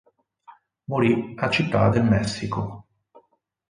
Morì a Città del Messico.